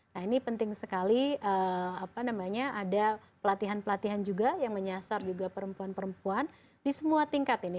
nah ini penting sekali ada pelatihan pelatihan juga yang menyasar juga perempuan perempuan di semua tingkat ini